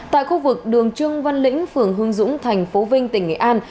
tại khu vực đường trương văn lĩnh phường hương dũng thành phố vinh tỉnh nghệ an